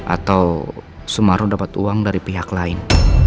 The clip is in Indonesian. atau sumarno dapat uang dari pihak lain